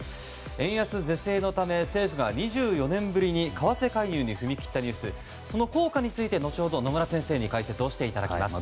円安是正のため政府が２４年ぶりに為替介入に踏み切ったニュースその効果について後ほど野村先生に解説をしていただきます。